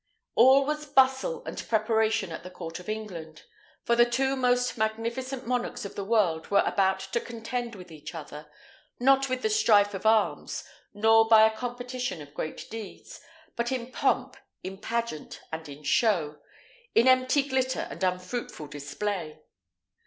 All was bustle and preparation at the court of England; for the two most magnificent monarchs of the world were about to contend with each other, not with the strife of arms, nor by a competition of great deeds, but in pomp, in pageant, and in show; in empty glitter and unfruitful display.